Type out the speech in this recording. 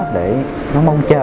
để nó mong chờ